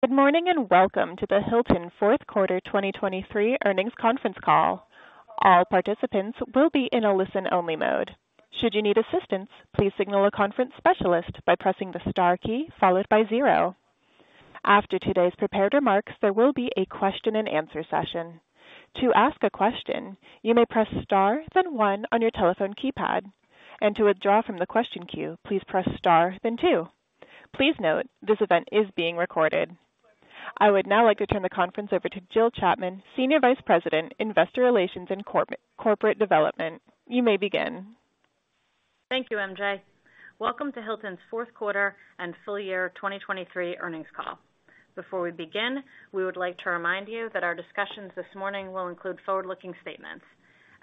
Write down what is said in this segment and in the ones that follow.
Good morning and welcome to the Hilton Q4 2023 Earnings Conference Call. All participants will be in a listen-only mode. Should you need assistance, please signal a conference specialist by pressing the star key followed by zero. After today's prepared remarks, there will be a Q&A session. To ask a question, you may press star then one on your telephone keypad, and to withdraw from the question queue, please press star then two. Please note, this event is being recorded. I would now like to turn the conference over to Jill Chapman, Senior Vice President, Investor Relations and Corporate Development. You may begin. Thank you, MJ. Welcome to Hilton's Q4 and Full Year 2023 Earnings Call. Before we begin, we would like to remind you that our discussions this morning will include forward-looking statements.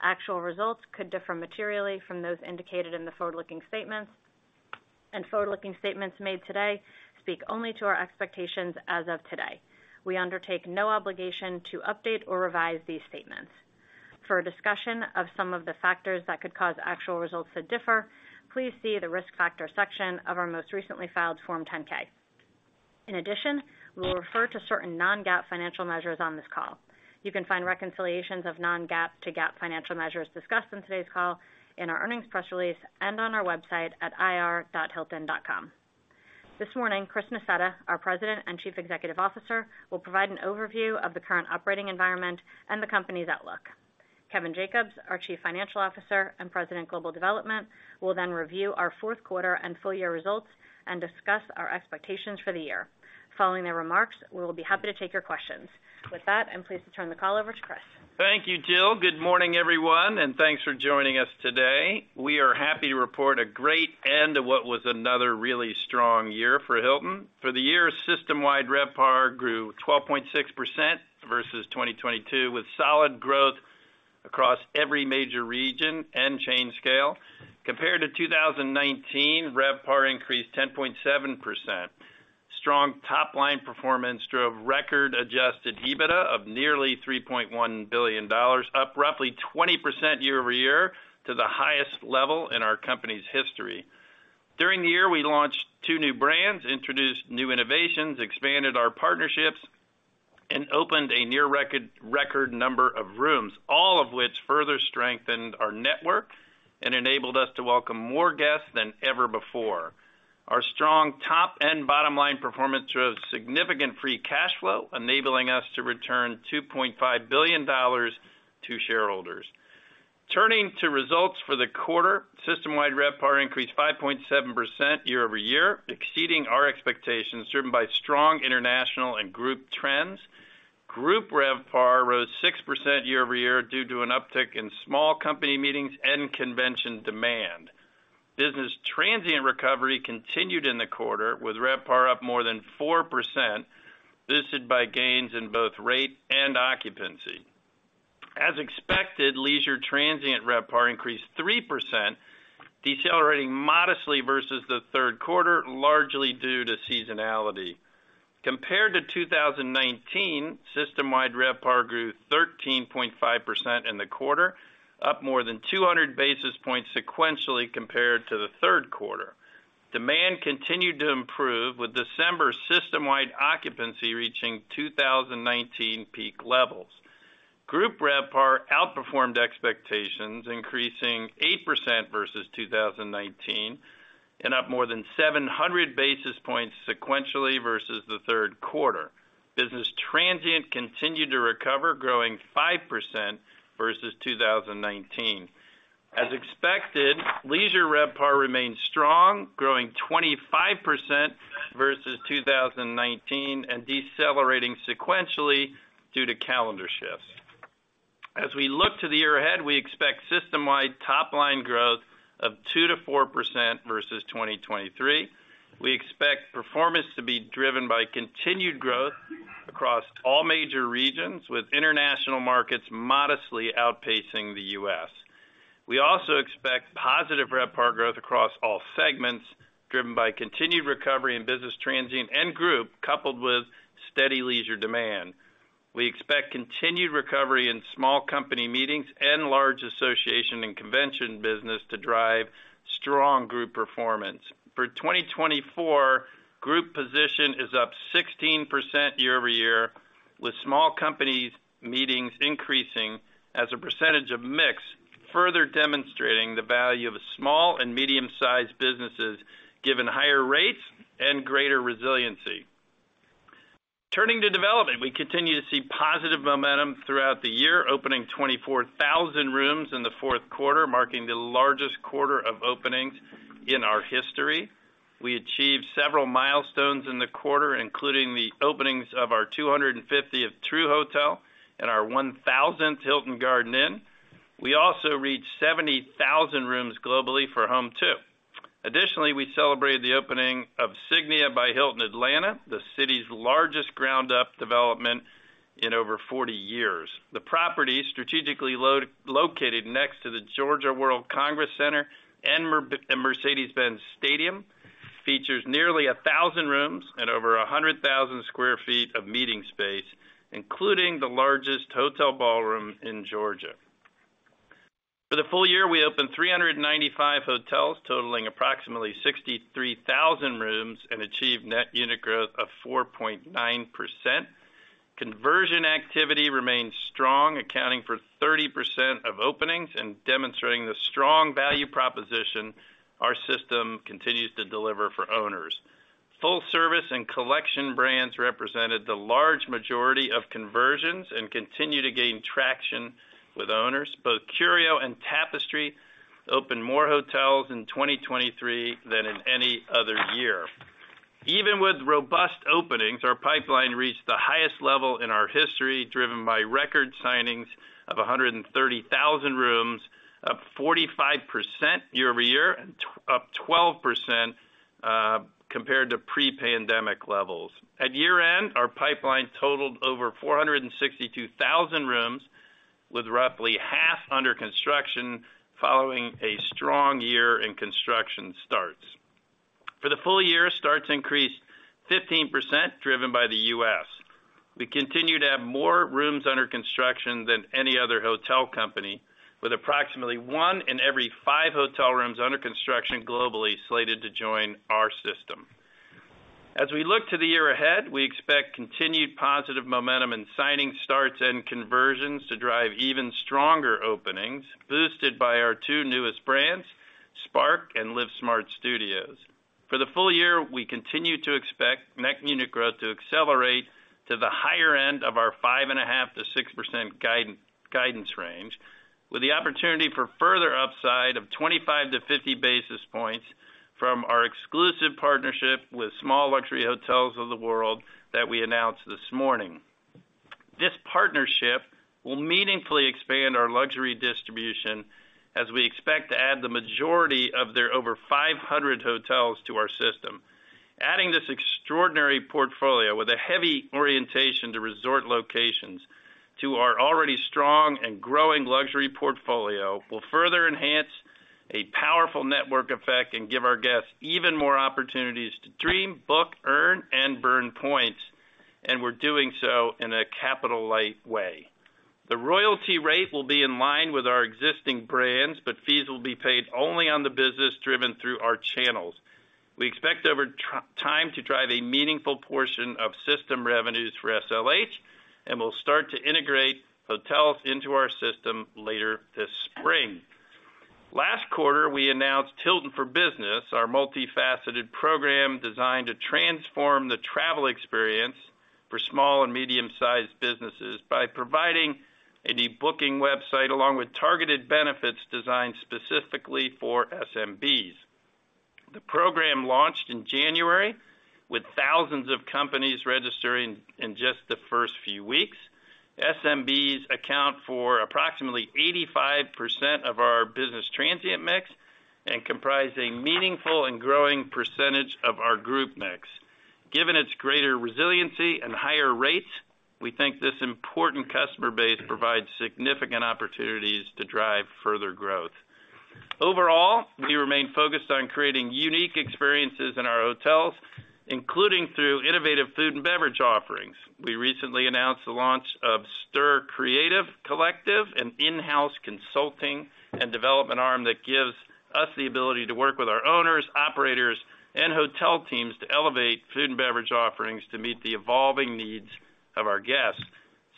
Actual results could differ materially from those indicated in the forward-looking statements, and forward-looking statements made today speak only to our expectations as of today. We undertake no obligation to update or revise these statements. For a discussion of some of the factors that could cause actual results to differ, please see the risk factor section of our most recently filed Form 10-K. In addition, we will refer to certain non-GAAP financial measures on this call. You can find reconciliations of non-GAAP to GAAP financial measures discussed in today's call in our earnings press release and on our website at ir.hilton.com. This morning, Chris Nassetta, our President and Chief Executive Officer, will provide an overview of the current operating environment and the company's outlook. Kevin Jacobs, our Chief Financial Officer and President of Global Development, will then review our Q4 and Full Year results and discuss our expectations for the year. Following their remarks, we will be happy to take your questions. With that, I'm pleased to turn the call over to Chris. Thank you, Jill. Good morning, everyone, and thanks for joining us today. We are happy to report a great end to what was another really strong year for Hilton. For the year, system-wide RevPAR grew 12.6% versus 2022, with solid growth across every major region and chain scale. Compared to 2019, RevPAR increased 10.7%. Strong top-line performance drove record-adjusted EBITDA of nearly $3.1 billion, up roughly 20% year-over-year to the highest level in our company's history. During the year, we launched two new brands, introduced new innovations, expanded our partnerships, and opened a near-record number of rooms, all of which further strengthened our network and enabled us to welcome more guests than ever before. Our strong top-end bottom-line performance drove significant free cash flow, enabling us to return $2.5 billion to shareholders. Turning to results for the quarter, System-Wide RevPAR increased 5.7% year-over-year, exceeding our expectations, driven by strong international and Group trends. Group RevPAR rose 6% year-over-year due to an uptick in small company meetings and convention demand. Business Transient recovery continued in the quarter, with RevPAR up more than 4%, boosted by gains in both rate and occupancy. As expected, Leisure Transient RevPAR increased 3%, decelerating modestly versus the Q3, largely due to seasonality. Compared to 2019, System-Wide RevPAR grew 13.5% in the quarter, up more than 200 basis points sequentially compared to the Q3. Demand continued to improve, with December System-Wide occupancy reaching 2019 peak levels. Group RevPAR outperformed expectations, increasing 8% versus 2019, and up more than 700 basis points sequentially versus the Q3. Business Transient continued to recover, growing 5% versus 2019. As expected, leisure RevPAR remained strong, growing 25% versus 2019, and decelerating sequentially due to calendar shifts. As we look to the year ahead, we expect system-wide top-line growth of 2% to 4% versus 2023. We expect performance to be driven by continued growth across all major regions, with international markets modestly outpacing the U.S. We also expect positive RevPAR growth across all segments, driven by continued recovery in business transient and group, coupled with steady leisure demand. We expect continued recovery in small company meetings and large association and convention business to drive strong group performance. For 2024, group position is up 16% year-over-year, with small company meetings increasing as a percentage of mix, further demonstrating the value of small and medium-sized businesses given higher rates and greater resiliency. Turning to development, we continue to see positive momentum throughout the year, opening 24,000 rooms in the Q4, marking the largest quarter of openings in our history. We achieved several milestones in the quarter, including the openings of our 250th Tru by Hilton and our 1,000th Hilton Garden Inn. We also reached 70,000 rooms globally for Home2. Additionally, we celebrated the opening of Signia by Hilton, Atlanta, the city's largest ground-up development in over 40 years. The property, strategically located next to the Georgia World Congress Center and Mercedes-Benz Stadium, features nearly 1,000 rooms and over 100,000 sq ft of meeting space, including the largest hotel ballroom in Georgia. For the full year, we opened 395 hotels, totaling approximately 63,000 rooms, and achieved net unit growth of 4.9%. Conversion activity remained strong, accounting for 30% of openings and demonstrating the strong value proposition our system continues to deliver for owners. Full-service and collection brands represented the large majority of conversions and continue to gain traction with owners. Both Curio and Tapestry opened more hotels in 2023 than in any other year. Even with robust openings, our pipeline reached the highest level in our history, driven by record signings of 130,000 rooms, up 45% year over year and up 12% compared to pre-pandemic levels. At year-end, our pipeline totaled over 462,000 rooms, with roughly half under construction following a strong year in construction starts. For the full year, starts increased 15%, driven by the U.S. We continue to have more rooms under construction than any other hotel company, with approximately 1 in every 5 hotel rooms under construction globally slated to join our system. As we look to the year ahead, we expect continued positive momentum in signing starts and conversions to drive even stronger openings, boosted by our two newest brands, Spark and LivSmart Studios. For the full year, we continue to expect net unit growth to accelerate to the higher end of our 5.5% to 6% guidance range, with the opportunity for further upside of 25 to 50 basis points from our exclusive partnership with Small Luxury Hotels of the World that we announced this morning. This partnership will meaningfully expand our luxury distribution, as we expect to add the majority of their over 500 hotels to our system. Adding this extraordinary portfolio, with a heavy orientation to resort locations, to our already strong and growing luxury portfolio will further enhance a powerful network effect and give our guests even more opportunities to dream, book, earn, and burn points, and we're doing so in a capital-light way. The royalty rate will be in line with our existing brands, but fees will be paid only on the business driven through our channels. We expect over time to drive a meaningful portion of system revenues for SLH, and we'll start to integrate hotels into our system later this spring. Last quarter, we announced Hilton for Business, our multifaceted program designed to transform the travel experience for small and medium-sized businesses by providing a new booking website along with targeted benefits designed specifically for SMBs. The program launched in January, with thousands of companies registering in just the first few weeks. SMBs account for approximately 85% of our business transient mix and comprise a meaningful and growing percentage of our group mix. Given its greater resiliency and higher rates, we think this important customer base provides significant opportunities to drive further growth. Overall, we remain focused on creating unique experiences in our hotels, including through innovative food and beverage offerings. We recently announced the launch of Stir Creative Collective, an in-house consulting and development arm that gives us the ability to work with our owners, operators, and hotel teams to elevate food and beverage offerings to meet the evolving needs of our guests.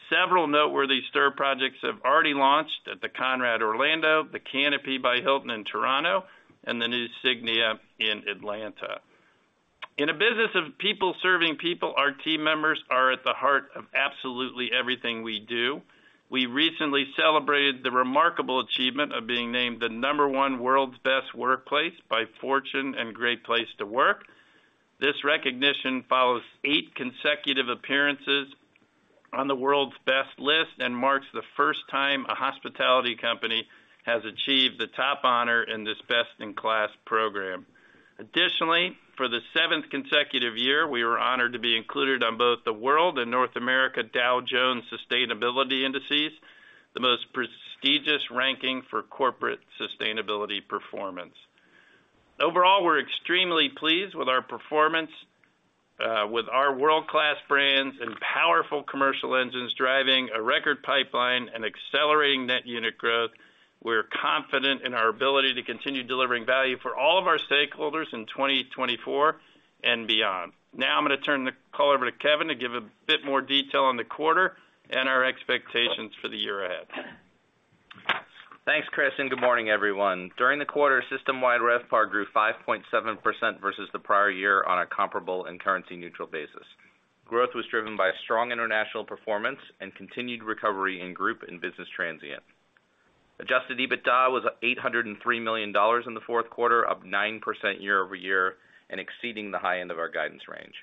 Several noteworthy Stir projects have already launched at the Conrad Orlando, the Canopy by Hilton in Toronto, and the new Signia in Atlanta. In a business of people serving people, our team members are at the heart of absolutely everything we do. We recently celebrated the remarkable achievement of being named the No. 1 World's Best Workplace by Fortune and Great Place to Work. This recognition follows eight consecutive appearances on the World's Best list and marks the first time a hospitality company has achieved the top honor in this best-in-class program. Additionally, for the 7th consecutive year, we were honored to be included on both the World and North America Dow Jones Sustainability Indices, the most prestigious ranking for corporate sustainability performance. Overall, we're extremely pleased with our performance, with our world-class brands and powerful commercial engines driving a record pipeline and accelerating net unit growth. We're confident in our ability to continue delivering value for all of our stakeholders in 2024 and beyond. Now I'm going to turn the call over to Kevin to give a bit more detail on the quarter and our expectations for the year ahead. Thanks, Chris, and good morning, everyone. During the quarter, system-wide RevPAR grew 5.7% versus the prior year on a comparable and currency-neutral basis. Growth was driven by strong international performance and continued recovery in group and business transient. Adjusted EBITDA was $803 million in the Q4, up 9% year-over-year and exceeding the high end of our guidance range.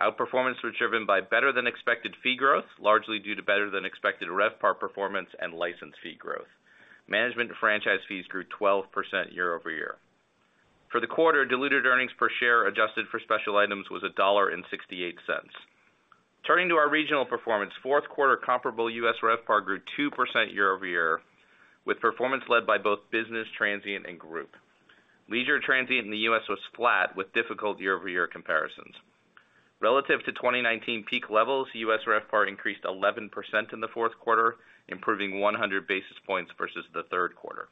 Outperformance was driven by better-than-expected fee growth, largely due to better-than-expected RevPAR performance and license fee growth. Management and franchise fees grew 12% year-over-year. For the quarter, diluted earnings per share adjusted for special items was $1.68. Turning to our regional performance, fourth-quarter comparable U.S. RevPAR grew 2% year-over-year, with performance led by both business transient and group. Leisure transient in the U.S. was flat, with difficult year-over-year comparisons. Relative to 2019 peak levels, U.S. RevPAR increased 11% in the Q4, improving 100 basis points versus the Q3.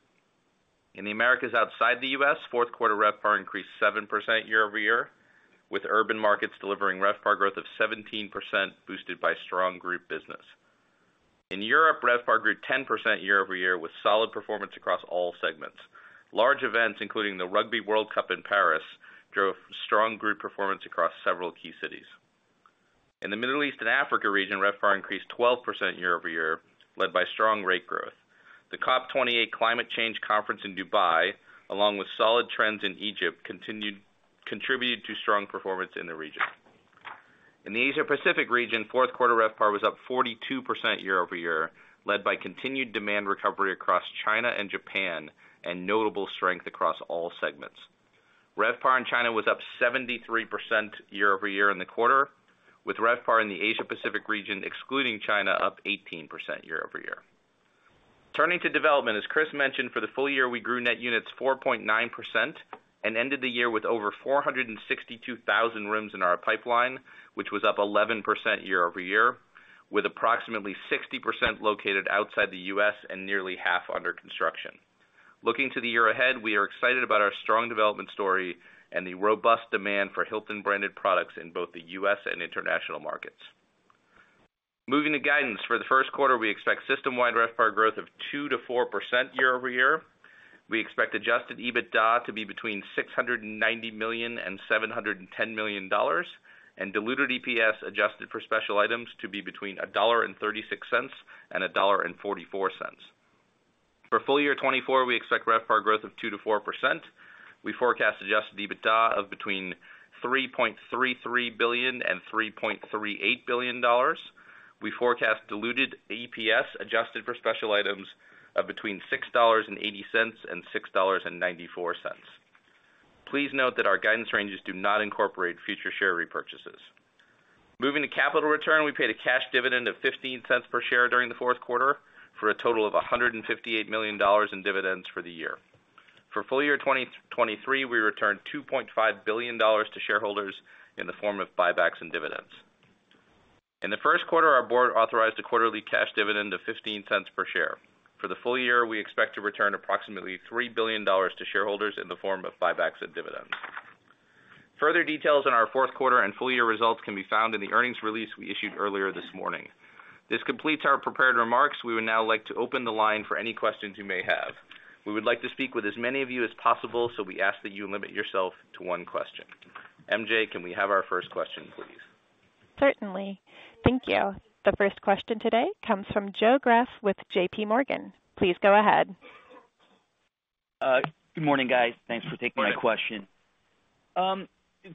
In the Americas outside the U.S., fourth-quarter RevPAR increased 7% year-over-year, with urban markets delivering RevPAR growth of 17%, boosted by strong group business. In Europe, RevPAR grew 10% year-over-year, with solid performance across all segments. Large events, including the Rugby World Cup in Paris, drove strong group performance across several key cities. In the Middle East and Africa region, RevPAR increased 12% year-over-year, led by strong rate growth. The COP28 Climate Change Conference in Dubai, along with solid trends in Egypt, contributed to strong performance in the region. In the Asia-Pacific region, fourth-quarter RevPAR was up 42% year-over-year, led by continued demand recovery across China and Japan and notable strength across all segments. RevPAR in China was up 73% year-over-year in the quarter, with RevPAR in the Asia-Pacific region, excluding China, up 18% year-over-year. Turning to development, as Chris mentioned, for the full year we grew net units 4.9% and ended the year with over 462,000 rooms in our pipeline, which was up 11% year-over-year, with approximately 60% located outside the U.S. and nearly half under construction. Looking to the year ahead, we are excited about our strong development story and the robust demand for Hilton-branded products in both the U.S. and international markets. Moving to guidance, for the Q1 we expect system-wide RevPAR growth of 2% to 4% year-over-year. We expect adjusted EBITDA to be between $690 million to 710 million, and diluted EPS adjusted for special items to be between $1.36 to $1.44. For full year 2024, we expect RevPAR growth of 2% to 4%. We forecast adjusted EBITDA of between $3.33 billion to 3.38 billion. We forecast diluted EPS adjusted for special items of between $6.80 to $6.94. Please note that our guidance ranges do not incorporate future share repurchases. Moving to capital return, we paid a cash dividend of $0.15 per share during the Q4, for a total of $158 million in dividends for the year. For full year 2023, we returned $2.5 billion to shareholders in the form of buybacks and dividends. In the Q1, our board authorized a quarterly cash dividend of $0.15 per share. For the full year, we expect to return approximately $3 billion to shareholders in the form of buybacks and dividends. Further details on our Q4 and full year results can be found in the earnings release we issued earlier this morning. This completes our prepared remarks. We would now like to open the line for any questions you may have. We would like to speak with as many of you as possible, so we ask that you limit yourself to one question. MJ, can we have our first question, please? Certainly. Thank you. The first question today comes from Joe Greff with JPMorgan. Please go ahead. Good morning, guys. Thanks for taking my question.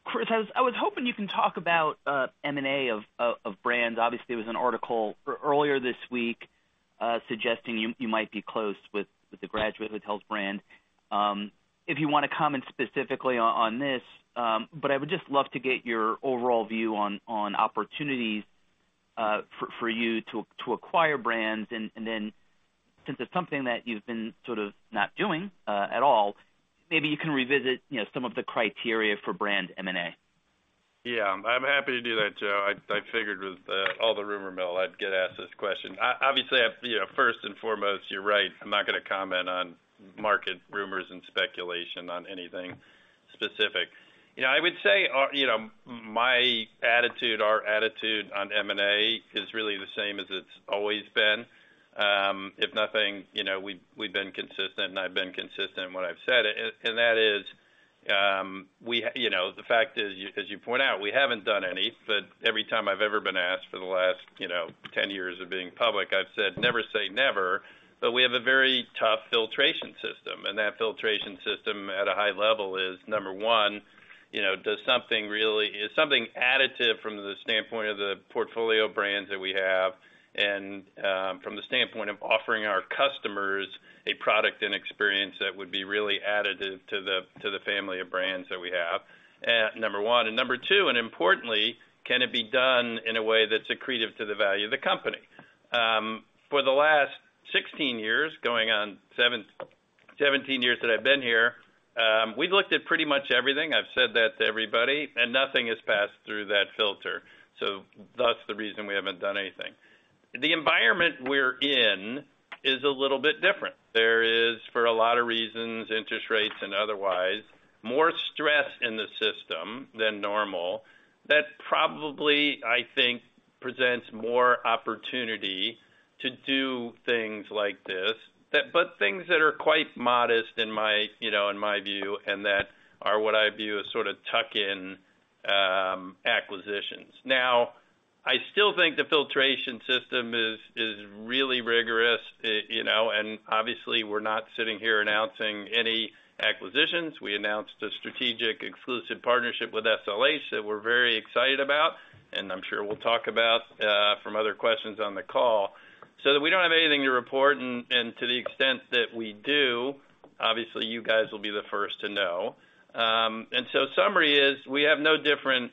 Chris, I was hoping you can talk about M&A of brands. Obviously, it was an article earlier this week suggesting you might be close with the Graduate Hotels brand. If you want to comment specifically on this, but I would just love to get your overall view on opportunities for you to acquire brands. And then, since it's something that you've been sort of not doing at all, maybe you can revisit some of the criteria for brand M&A. Yeah, I'm happy to do that, Joe. I figured with all the rumor mill, I'd get asked this question. Obviously, first and foremost, you're right. I'm not going to comment on market rumors and speculation on anything specific. I would say my attitude, our attitude on M&A is really the same as it's always been. If nothing, we've been consistent, and I've been consistent in what I've said. And that is, the fact is, as you point out, we haven't done any. But every time I've ever been asked for the last 10 years of being public, I've said, "Never say never." But we have a very tough filtration system. And that filtration system at a high level is, number one, something additive from the standpoint of the portfolio brands that we have, and from the standpoint of offering our customers a product and experience that would be really additive to the family of brands that we have, number one. And number two, and importantly, can it be done in a way that's accretive to the value of the company? For the last 16 years, going on 17 years that I've been here, we've looked at pretty much everything. I've said that to everybody, and nothing has passed through that filter. So that's the reason we haven't done anything. The environment we're in is a little bit different. There is, for a lot of reasons, interest rates and otherwise, more stress in the system than normal. That probably, I think, presents more opportunity to do things like this, but things that are quite modest in my view and that are what I view as sort of tuck-in acquisitions. Now, I still think the filtration system is really rigorous. And obviously, we're not sitting here announcing any acquisitions. We announced a strategic exclusive partnership with SLH that we're very excited about, and I'm sure we'll talk about from other questions on the call. So that we don't have anything to report, and to the extent that we do, obviously, you guys will be the first to know. And so summary is, we have no different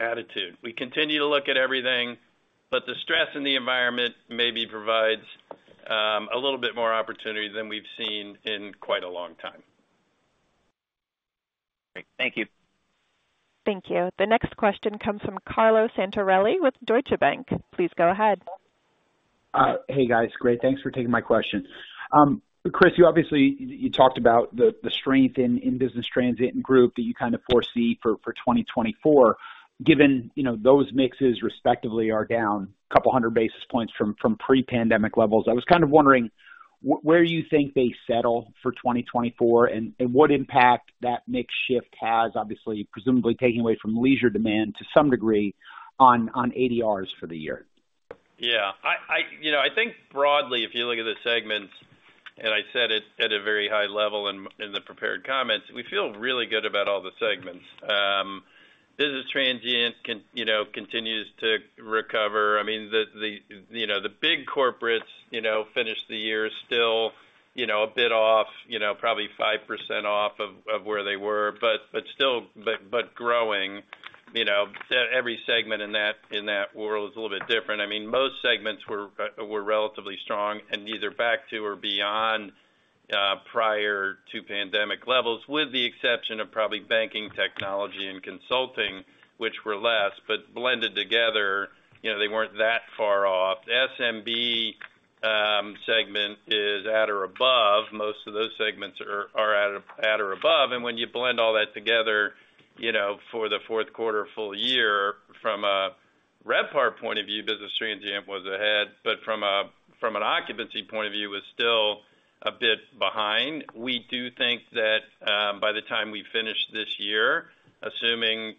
attitude. We continue to look at everything, but the stress in the environment maybe provides a little bit more opportunity than we've seen in quite a long time. Great. Thank you. Thank you. The next question comes from Carlo Santarelli with Deutsche Bank. Please go ahead. Hey, guys. Great. Thanks for taking my question. Chris, you obviously talked about the strength in business transient and group that you kind of foresee for 2024. Given those mixes, respectively, are down 200 basis points from pre-pandemic levels, I was kind of wondering where you think they settle for 2024 and what impact that mix shift has, obviously, presumably taking away from leisure demand to some degree on ADRs for the year. Yeah. I think broadly, if you look at the segments, and I said it at a very high level in the prepared comments, we feel really good about all the segments. Business transient continues to recover. I mean, the big corporates finish the year still a bit off, probably 5% off of where they were, but still growing. Every segment in that world is a little bit different. I mean, most segments were relatively strong and neither back to or beyond prior to pandemic levels, with the exception of probably banking technology and consulting, which were less, but blended together, they weren't that far off. SMB segment is at or above. Most of those segments are at or above. When you blend all that together for the Q4 full year, from a RevPAR point of view, business transient was ahead, but from an occupancy point of view, was still a bit behind. We do think that by the time we finish this year, assuming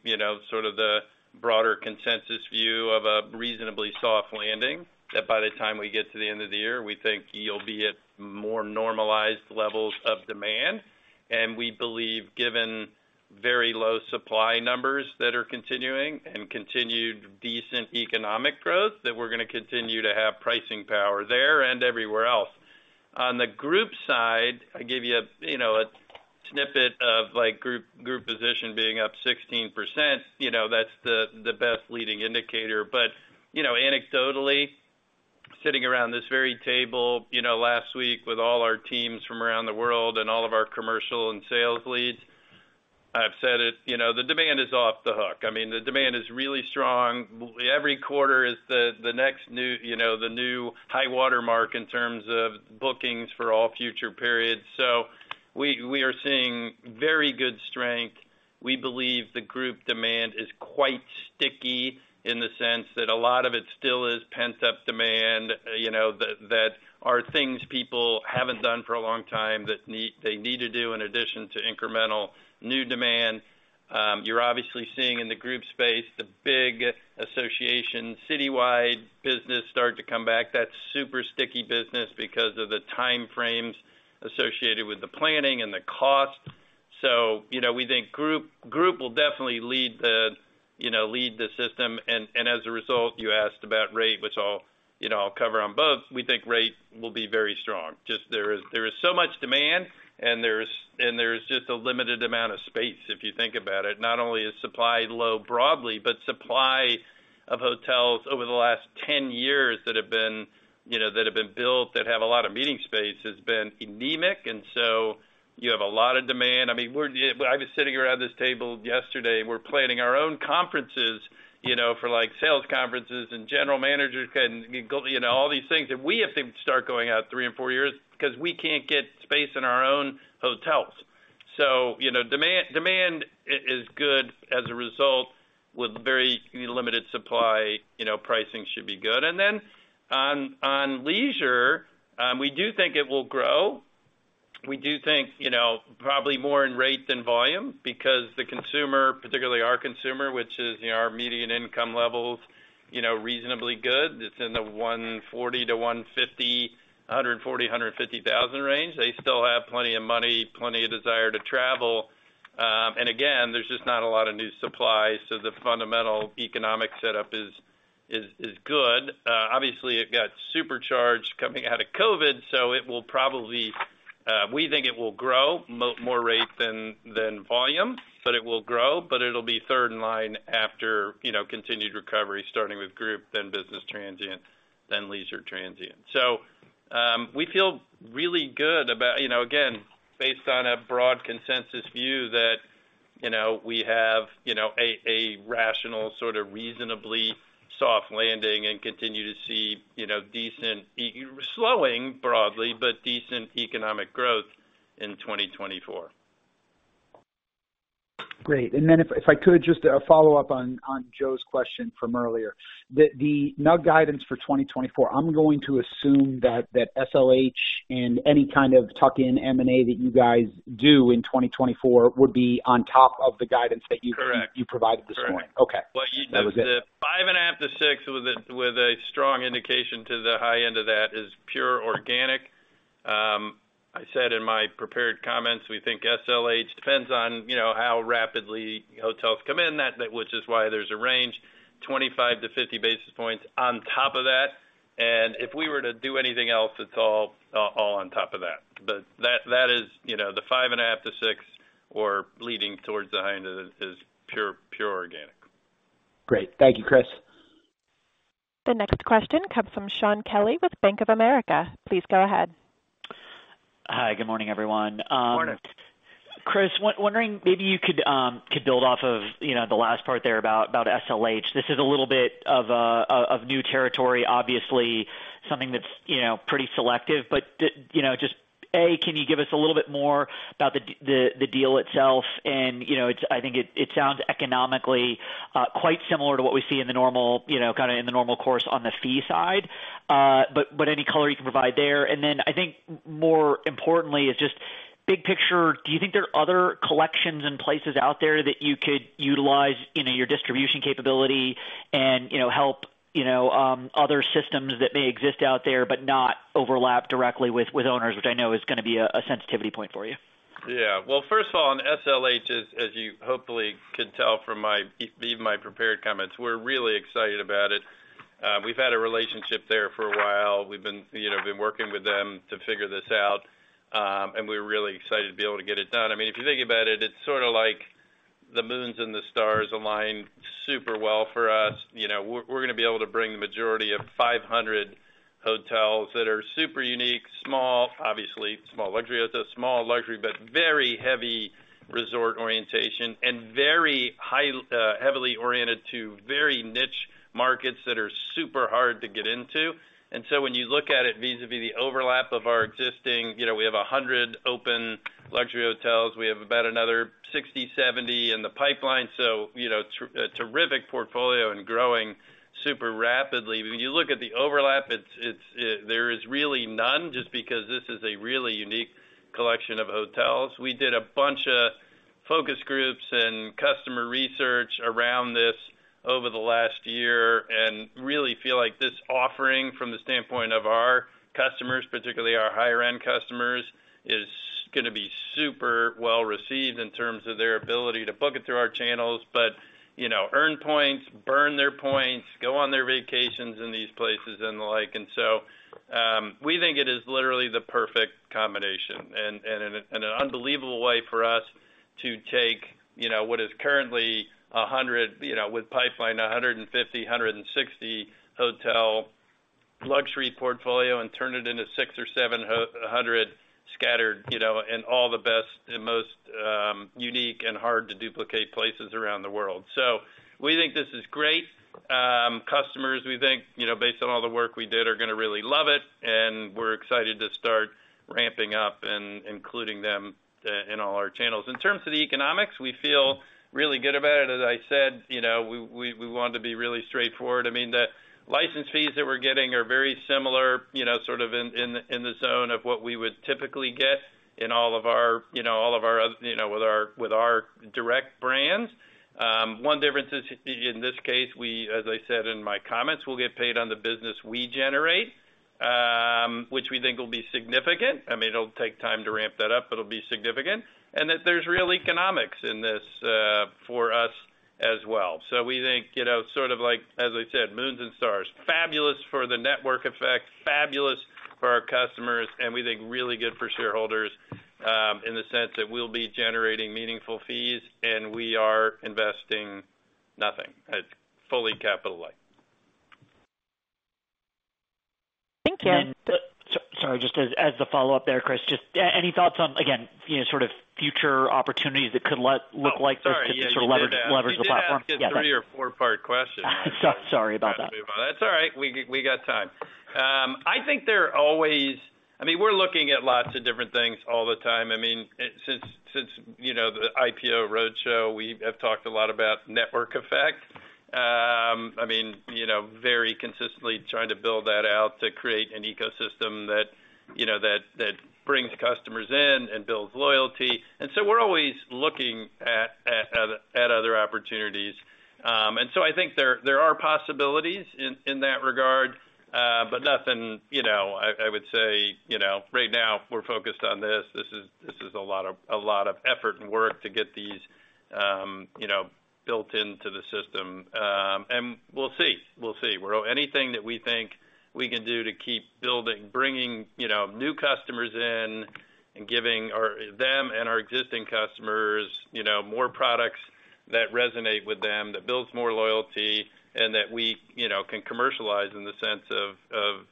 sort of the broader consensus view of a reasonably soft landing, that by the time we get to the end of the year, we think you'll be at more normalized levels of demand. And we believe, given very low supply numbers that are continuing and continued decent economic growth, that we're going to continue to have pricing power there and everywhere else. On the group side, I give you a snippet of group position being up 16%. That's the best leading indicator. But anecdotally, sitting around this very table last week with all our teams from around the world and all of our commercial and sales leads, I've said it, the demand is off the hook. I mean, the demand is really strong. Every quarter is the next new high watermark in terms of bookings for all future periods. So we are seeing very good strength. We believe the group demand is quite sticky in the sense that a lot of it still is pent-up demand, that are things people haven't done for a long time that they need to do in addition to incremental new demand. You're obviously seeing in the group space the big association, citywide business start to come back. That's super sticky business because of the time frames associated with the planning and the cost. So we think group will definitely lead the system. As a result, you asked about rate, which I'll cover on both. We think rate will be very strong. Just there is so much demand, and there is just a limited amount of space, if you think about it. Not only is supply low broadly, but supply of hotels over the last 10 years that have been built, that have a lot of meeting space, has been anemic. And so you have a lot of demand. I mean, I was sitting around this table yesterday. We're planning our own conferences for sales conferences and general managers and all these things. And we have to start going out three and four years because we can't get space in our own hotels. So demand is good as a result. With very limited supply, pricing should be good. And then on leisure, we do think it will grow. We do think probably more in rate than volume because the consumer, particularly our consumer, which is our median income levels, reasonably good. It's in the $140,000 to $150,000, $140,000, $150,000 range. They still have plenty of money, plenty of desire to travel. And again, there's just not a lot of new supply. So the fundamental economic setup is good. Obviously, it got supercharged coming out of COVID, so it will probably we think it will grow more rate than volume, but it will grow. But it'll be third in line after continued recovery, starting with group, then business transient, then leisure transient. So we feel really good about, again, based on a broad consensus view that we have a rational, sort of reasonably soft landing and continue to see decent slowing broadly, but decent economic growth in 2024. Great. And then if I could, just a follow-up on Joe's question from earlier. The NUG guidance for 2024, I'm going to assume that SLH and any kind of tuck-in M&A that you guys do in 2024 would be on top of the guidance that you provided this morning. Okay. That was it. Well, the 5.5 to 6 with a strong indication to the high end of that is pure organic. I said in my prepared comments, we think SLH. Depends on how rapidly hotels come in, which is why there's a range, 25 to 50 basis points on top of that. And if we were to do anything else, it's all on top of that. But that is the 5.5 to 6 or leading towards the high end of it is pure organic. Great. Thank you, Chris. The next question comes from Shaun Kelley with Bank of America. Please go ahead. Hi. Good morning, everyone. Morning. Chris, wondering maybe you could build off of the last part there about SLH. This is a little bit of new territory, obviously, something that's pretty selective. But just, A, can you give us a little bit more about the deal itself? And I think it sounds economically quite similar to what we see in the normal kind of in the normal course on the fee side. But any color you can provide there. And then I think more importantly is just big picture, do you think there are other collections and places out there that you could utilize your distribution capability and help other systems that may exist out there but not overlap directly with owners, which I know is going to be a sensitivity point for you? Yeah. Well, first of all, on SLH, as you hopefully could tell from even my prepared comments, we're really excited about it. We've had a relationship there for a while. We've been working with them to figure this out. And we're really excited to be able to get it done. I mean, if you think about it, it's sort of like the moons and the stars align super well for us. We're going to be able to bring the majority of 500 hotels that are super unique, small, obviously, small luxury hotels, small luxury, but very heavy resort orientation and very heavily oriented to very niche markets that are super hard to get into. And so when you look at it vis-à-vis the overlap of our existing we have 100 open luxury hotels. We have about another 60 to 70 in the pipeline. So terrific portfolio and growing super rapidly. When you look at the overlap, there is really none just because this is a really unique collection of hotels. We did a bunch of focus groups and customer research around this over the last year and really feel like this offering from the standpoint of our customers, particularly our higher-end customers, is going to be super well received in terms of their ability to book it through our channels, but earn points, burn their points, go on their vacations in these places and the like. And so we think it is literally the perfect combination and an unbelievable way for us to take what is currently 100 with pipeline, 150, 160 hotel luxury portfolio and turn it into 600 or 700 scattered and all the best and most unique and hard to duplicate places around the world. So we think this is great. Customers, we think, based on all the work we did, are going to really love it. And we're excited to start ramping up and including them in all our channels. In terms of the economics, we feel really good about it. As I said, we want to be really straightforward. I mean, the license fees that we're getting are very similar, sort of in the zone of what we would typically get in all of our with our direct brands. One difference is, in this case, we, as I said in my comments, we'll get paid on the business we generate, which we think will be significant. I mean, it'll take time to ramp that up, but it'll be significant. And that there's real economics in this for us as well. So we think, sort of like, as I said, moons and stars, fabulous for the network effect, fabulous for our customers, and we think really good for shareholders in the sense that we'll be generating meaningful fees and we are investing nothing. It's fully capital-light. Thank you. Sorry, just as the follow-up there, Chris, just any thoughts on, again, sort of future opportunities that could look like this could sort of leverage the platform? Yeah, that. It's a three or four-part question. Sorry about that. That's all right. We got time. I think they're always, I mean, we're looking at lots of different things all the time. I mean, since the IPO roadshow, we have talked a lot about network effect. I mean, very consistently trying to build that out to create an ecosystem that brings customers in and builds loyalty. And so we're always looking at other opportunities. And so I think there are possibilities in that regard, but nothing, I would say, right now, we're focused on this. This is a lot of effort and work to get these built into the system. And we'll see. We'll see. Anything that we think we can do to keep building, bringing new customers in, and giving them and our existing customers more products that resonate with them, that builds more loyalty, and that we can commercialize in the sense of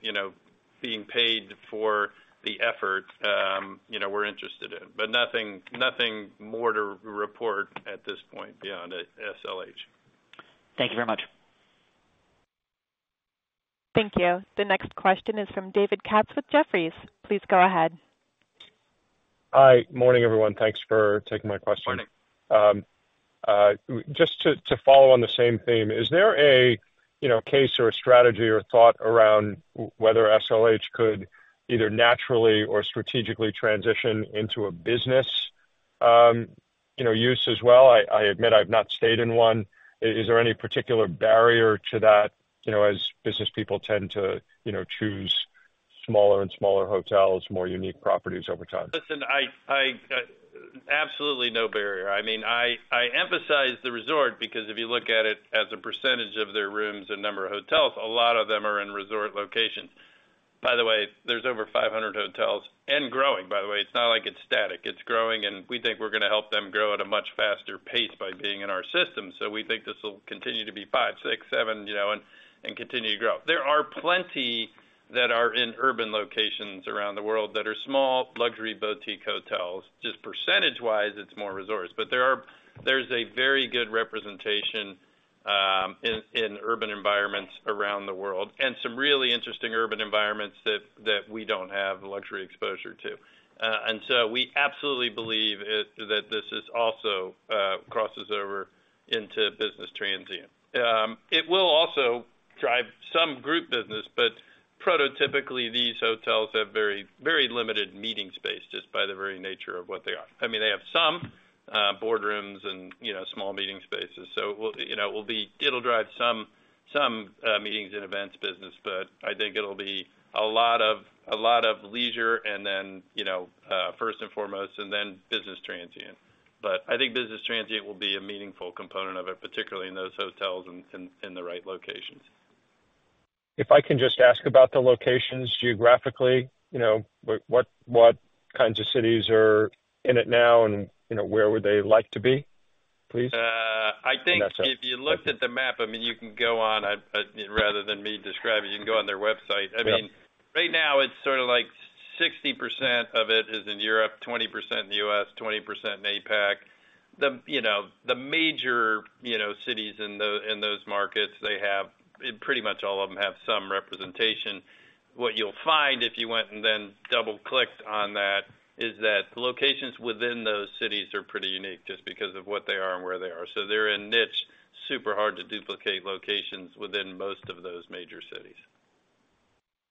being paid for the effort we're interested in. But nothing more to report at this point beyond SLH. Thank you very much. Thank you. The next question is from David Katz with Jefferies. Please go ahead. Hi. Morning, everyone. Thanks for taking my question. Morning. Just to follow on the same theme, is there a case or a strategy or thought around whether SLH could either naturally or strategically transition into a business use as well? I admit I've not stayed in one. Is there any particular barrier to that, as business people tend to choose smaller and smaller hotels, more unique properties over time? Listen, absolutely no barrier. I mean, I emphasize the resort because if you look at it as a percentage of their rooms and number of hotels, a lot of them are in resort location. By the way, there's over 500 hotels and growing. By the way, it's not like it's static. It's growing. And we think we're going to help them grow at a much faster pace by being in our system. So we think this will continue to be five, six, seven, and continue to grow. There are plenty that are in urban locations around the world that are small luxury boutique hotels. Just percentage-wise, it's more resorts. But there's a very good representation in urban environments around the world and some really interesting urban environments that we don't have luxury exposure to. And so we absolutely believe that this also crosses over into business transient. It will also drive some group business, but prototypically, these hotels have very limited meeting space just by the very nature of what they are. I mean, they have some boardrooms and small meeting spaces. So it'll drive some meetings and events business, but I think it'll be a lot of leisure and then first and foremost, and then business transient. But I think business transient will be a meaningful component of it, particularly in those hotels and in the right locations. If I can just ask about the locations geographically, what kinds of cities are in it now and where would they like to be, please? I think if you looked at the map, I mean, you can go on rather than me describing, you can go on their website. I mean, right now, it's sort of like 60% of it is in Europe, 20% in the U.S., 20% in APAC. The major cities in those markets, they have pretty much all of them have some representation. What you'll find if you went and then double-clicked on that is that the locations within those cities are pretty unique just because of what they are and where they are. So they're in niche, super hard to duplicate locations within most of those major cities.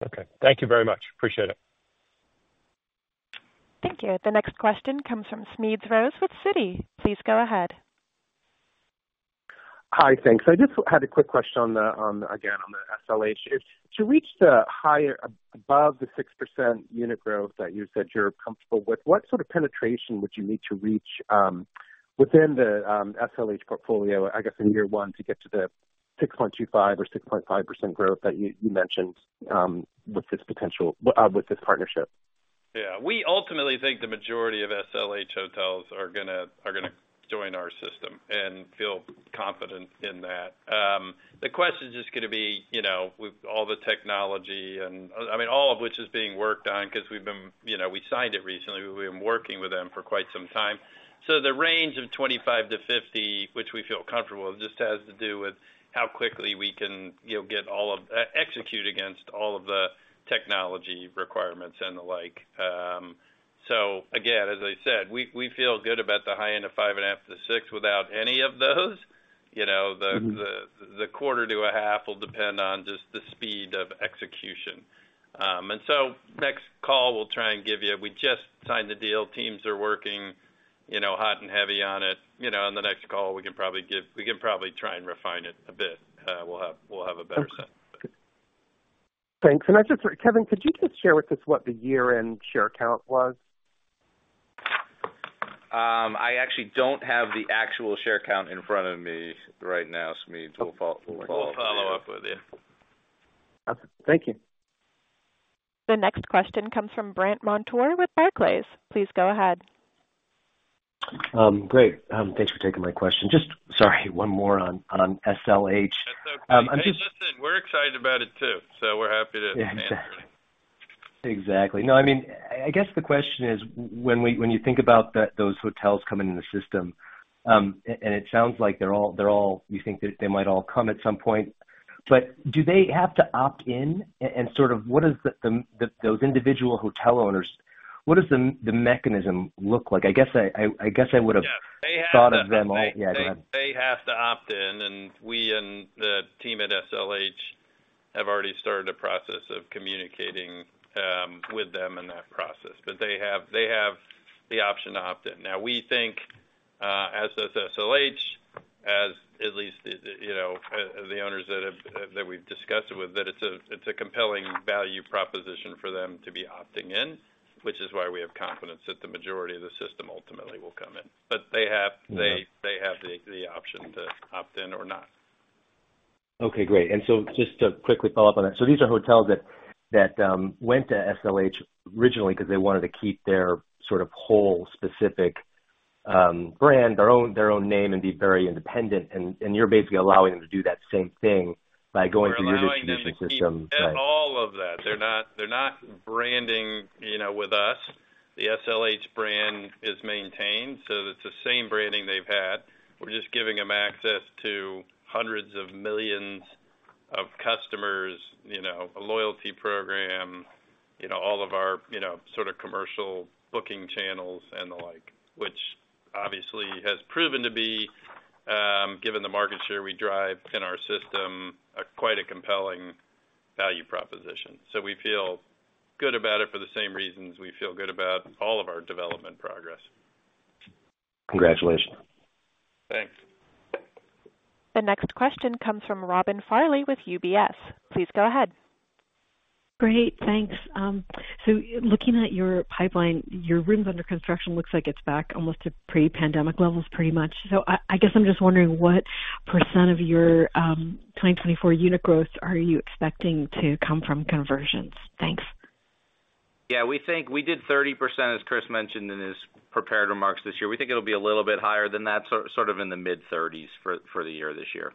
Okay. Thank you very much. Appreciate it. Thank you. The next question comes from Smedes Rose with Citi. Please go ahead. Hi. Thanks. I just had a quick question on the, again, on the SLH. To reach the higher above the 6% unit growth that you said you're comfortable with, what sort of penetration would you need to reach within the SLH portfolio, I guess, in year one to get to the 6.25% or 6.5% growth that you mentioned with this potential with this partnership? Yeah. We ultimately think the majority of SLH hotels are going to join our system and feel confident in that. The question is just going to be with all the technology and I mean, all of which is being worked on because we've been. We signed it recently. We've been working with them for quite some time. So the range of 25 to 50, which we feel comfortable, just has to do with how quickly we can get all of execute against all of the technology requirements and the like. So again, as I said, we feel good about the high end of 5.5 to 6 without any of those. The 0.25 to 0.5 will depend on just the speed of execution. And so next call, we'll try and give you. We just signed the deal. Teams are working hot and heavy on it. On the next call, we can probably try and refine it a bit. We'll have a better sense. Thanks. And I just Kevin, could you just share with us what the year-end share count was? I actually don't have the actual share count in front of me right now, so that means we'll follow up. We'll follow up with you. Awesome. Thank you. The next question comes from Brandt Montour with Barclays. Please go ahead. Great. Thanks for taking my question. Just sorry, one more on SLH. That's okay. Hey listen. We're excited about it too. So we're happy to. Exactly. No, I mean, I guess the question is when you think about those hotels coming in the system, and it sounds like they're all you think they might all come at some point. But do they have to opt in and sort of what is those individual hotel owners what does the mechanism look like? I guess I would have thought of them all. Yeah, go ahead. They have to opt in. And we and the team at SLH have already started a process of communicating with them in that process. But they have the option to opt in. Now, we think, as does SLH, as at least the owners that we've discussed it with, that it's a compelling value proposition for them to be opting in, which is why we have confidence that the majority of the system ultimately will come in. But they have the option to opt in or not. Okay. Great. So just to quickly follow up on that, these are hotels that went to SLH originally because they wanted to keep their sort of whole specific brand, their own name, and be very independent. You're basically allowing them to do that same thing by going through your distribution system. They're allowing to keep all of that. They're not branding with us. The SLH brand is maintained. So it's the same branding they've had. We're just giving them access to hundreds of millions of customers, a loyalty program, all of our sort of commercial booking channels, and the like, which obviously has proven to be, given the market share we drive in our system, quite a compelling value proposition. So we feel good about it for the same reasons we feel good about all of our development progress. Congratulations. Thanks. The next question comes from Robin Farley with UBS. Please go ahead. Great. Thanks. So looking at your pipeline, your rooms under construction looks like it's back almost to pre-pandemic levels, pretty much. So I guess I'm just wondering what percentage of your 2024 unit growth are you expecting to come from conversions? Thanks. Yeah. We did 30%, as Chris mentioned in his prepared remarks this year. We think it'll be a little bit higher than that, sort of in the mid-30s for the year this year.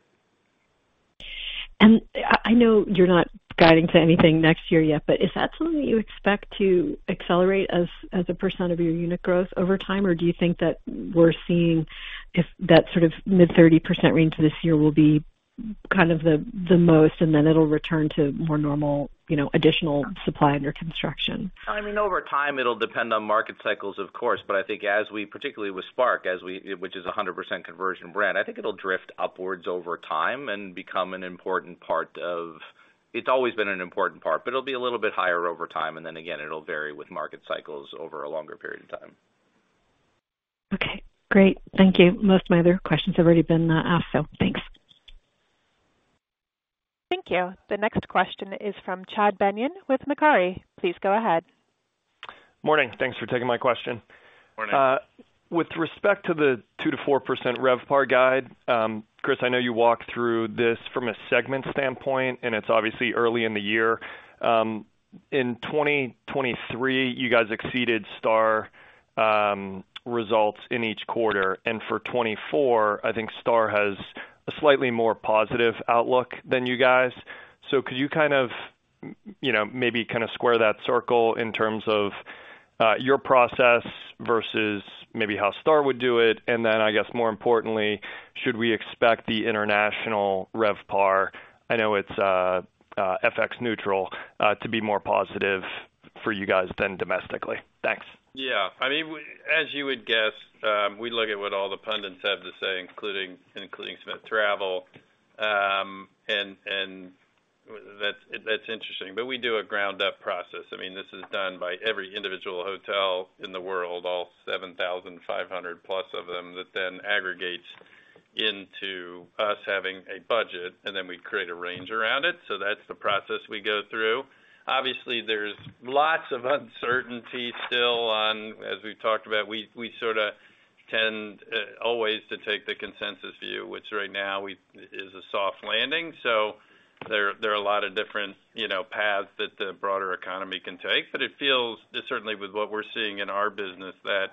I know you're not guiding to anything next year yet, but is that something that you expect to accelerate as a percent of your unit growth over time? Or do you think that we're seeing if that sort of mid-30% range this year will be kind of the most, and then it'll return to more normal additional supply under construction? I mean, over time, it'll depend on market cycles, of course. But I think as we particularly with Spark, which is 100% conversion brand, I think it'll drift upwards over time and become an important part of it. It's always been an important part, but it'll be a little bit higher over time. And then again, it'll vary with market cycles over a longer period of time. Okay. Great. Thank you. Most of my other questions have already been asked, so thanks. Thank you. The next question is from Chad Beynon with Macquarie. Please go ahead. Morning. Thanks for taking my question. Morning. With respect to the 2% to 4% RevPAR guide, Chris, I know you walked through this from a segment standpoint, and it's obviously early in the year. In 2023, you guys exceeded STR results in each quarter. For 2024, I think STR has a slightly more positive outlook than you guys. Could you kind of maybe kind of square that circle in terms of your process versus maybe how STR would do it? And then, I guess, more importantly, should we expect the international RevPAR, I know it's FX neutral - to be more positive for you guys than domestically? Thanks. Yeah. I mean, as you would guess, we look at what all the pundits have to say, including Smith Travel. And that's interesting. But we do a ground-up process. I mean, this is done by every individual hotel in the world, all 7,500+ of them, that then aggregates into us having a budget, and then we create a range around it. So that's the process we go through. Obviously, there's lots of uncertainty still on, as we've talked about, we sort of tend always to take the consensus view, which right now is a soft landing. So there are a lot of different paths that the broader economy can take. But it feels, certainly with what we're seeing in our business, that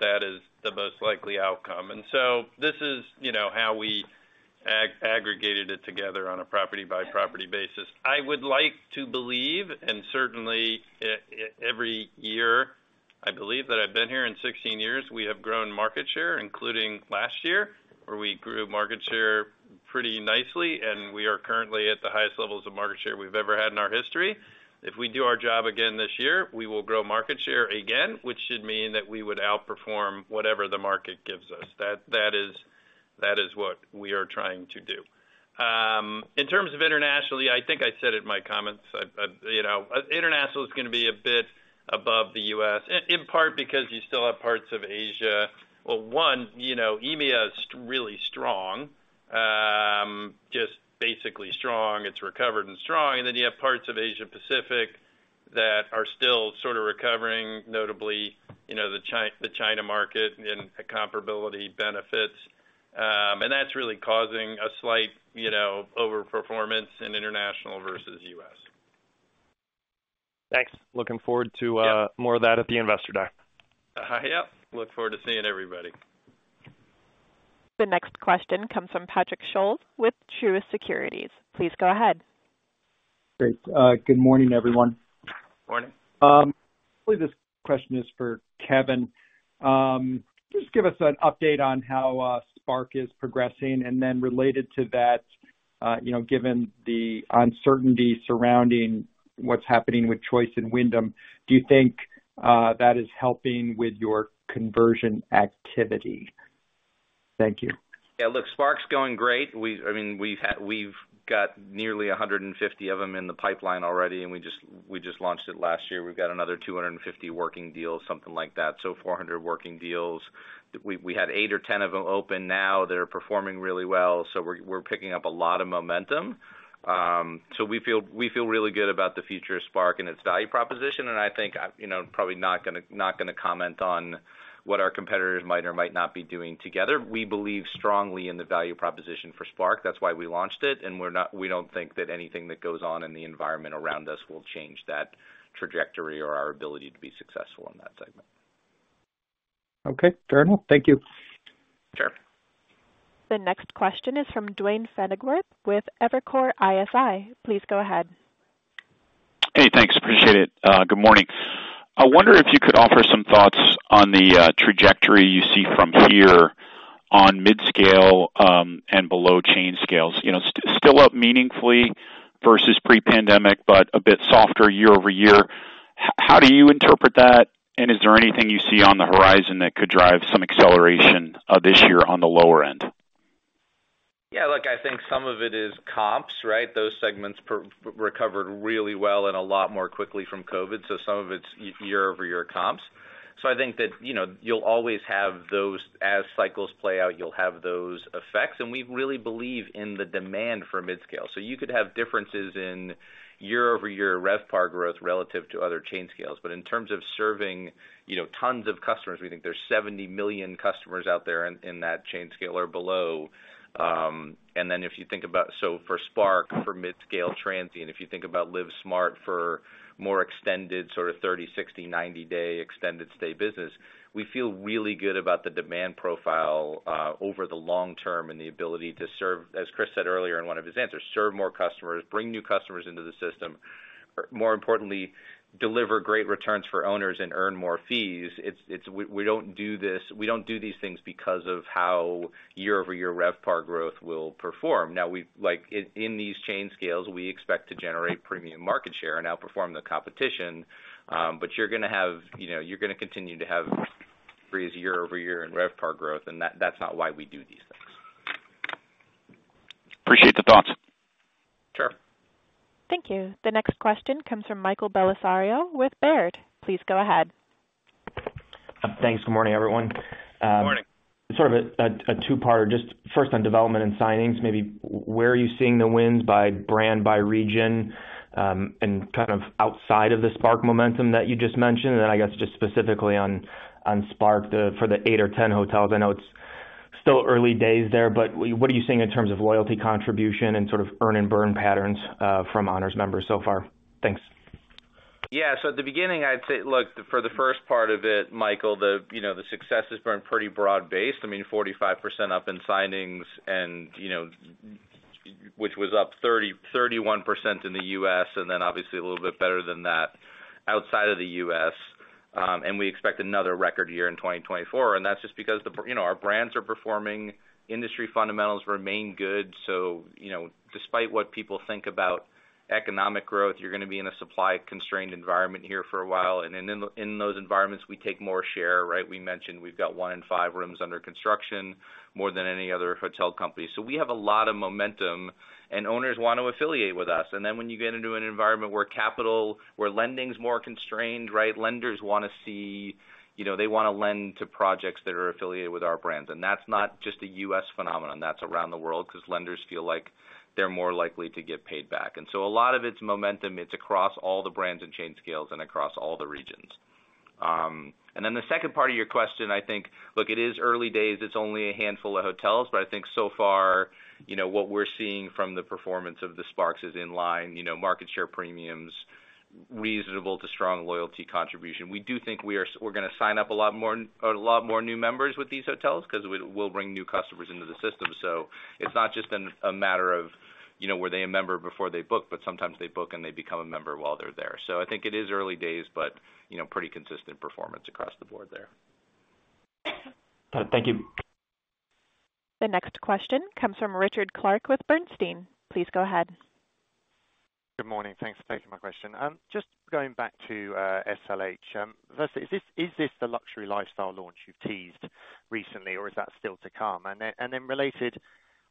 that is the most likely outcome. And so this is how we aggregated it together on a property-by-property basis. I would like to believe, and certainly every year I believe that I've been here in 16 years, we have grown market share, including last year, where we grew market share pretty nicely. We are currently at the highest levels of market share we've ever had in our history. If we do our job again this year, we will grow market share again, which should mean that we would outperform whatever the market gives us. That is what we are trying to do. In terms of internationally, I think I said it in my comments. International is going to be a bit above the U.S., in part because you still have parts of Asia. Well, one, EMEA is really strong, just basically strong. It's recovered and strong. And then you have parts of Asia-Pacific that are still sort of recovering, notably the China market and comparability benefits. That's really causing a slight overperformance in international versus U.S. Thanks. Looking forward to more of that at the Investor Day. Yep. Look forward to seeing everybody. The next question comes from Patrick Scholes with Truist Securities. Please go ahead. Great. Good morning, everyone. Morning. Probably this question is for Kevin. Just give us an update on how Spark is progressing. And then related to that, given the uncertainty surrounding what's happening with Choice and Wyndham, do you think that is helping with your conversion activity? Thank you. Yeah. Look, Spark's going great. I mean, we've got nearly 150 of them in the pipeline already, and we just launched it last year. We've got another 250 working deals, something like that. So 400 working deals. We had 8 or 10 of them open now that are performing really well. So we're picking up a lot of momentum. So we feel really good about the future of Spark and its value proposition. And I think I'm probably not going to comment on what our competitors might or might not be doing together. We believe strongly in the value proposition for Spark. That's why we launched it. And we don't think that anything that goes on in the environment around us will change that trajectory or our ability to be successful in that segment. Okay. Darnell, thank you. Sure. The next question is from Duane Pfennigwerth with Evercore ISI. Please go ahead. Hey, thanks. Appreciate it. Good morning. I wonder if you could offer some thoughts on the trajectory you see from here on mid-scale and below-chain scales. Still up meaningfully versus pre-pandemic, but a bit softer year-over-year. How do you interpret that? Is there anything you see on the horizon that could drive some acceleration this year on the lower end? Yeah. Look, I think some of it is comps, right? Those segments recovered really well and a lot more quickly from COVID. So some of it's year-over-year comps. So I think that you'll always have those as cycles play out, you'll have those effects. And we really believe in the demand for mid-scale. So you could have differences in year-over-year RevPAR growth relative to other chain scales. But in terms of serving tons of customers, we think there's 70 million customers out there in that chain scale or below. Then if you think about so for Spark, for mid-scale transient, if you think about LivSmart for more extended sort of 30, 60, 90 day extended stay business, we feel really good about the demand profile over the long term and the ability to serve, as Chris said earlier in one of his answers, serve more customers, bring new customers into the system, or more importantly, deliver great returns for owners and earn more fees. We don't do these things because of how year-over-year RevPAR growth will perform. Now, in these chain scales, we expect to generate premium market share and outperform the competition. But you're going to continue to have friction as year-over-year in RevPAR growth. And that's not why we do these things. Appreciate the thoughts. Sure. Thank you. The next question comes from Michael Bellisario with Baird. Please go ahead. Thanks. Good morning, everyone. Good morning. Sort of a two-part or just first on development and signings, maybe where are you seeing the wins by brand, by region, and kind of outside of the Spark momentum that you just mentioned? And then I guess just specifically on Spark for the 8 or 10 hotels. I know it's still early days there, but what are you seeing in terms of loyalty contribution and sort of earn-and-burn patterns from Honors members so far? Thanks. Yeah. So at the beginning, I'd say, look, for the first part of it, Michael, the success has been pretty broad-based. I mean, 45% up in signings, which was up 31% in the U.S., and then obviously a little bit better than that outside of the U.S. And we expect another record year in 2024. And that's just because our brands are performing. Industry fundamentals remain good. So despite what people think about economic growth, you're going to be in a supply-constrained environment here for a while. And in those environments, we take more share, right? We mentioned we've got one in five rooms under construction more than any other hotel company. So we have a lot of momentum, and owners want to affiliate with us. And then when you get into an environment where capital where lending's more constrained, right, lenders want to see they want to lend to projects that are affiliated with our brands. And that's not just a U.S. phenomenon. That's around the world because lenders feel like they're more likely to get paid back. And so a lot of its momentum, it's across all the brands and chain scales and across all the regions. And then the second part of your question, I think, look, it is early days. It's only a handful of hotels. But I think so far, what we're seeing from the performance of the Spark is in line, market share premiums, reasonable to strong loyalty contribution. We do think we're going to sign up a lot more new members with these hotels because we'll bring new customers into the system. So it's not just a matter of were they a member before they book, but sometimes they book and they become a member while they're there. So I think it is early days, but pretty consistent performance across the board there. Got it. Thank you. The next question comes from Richard Clarke with Bernstein. Please go ahead. Good morning. Thanks for taking my question. Just going back to SLH. Firstly, is this the luxury lifestyle launch you've teased recently, or is that still to come? And then related,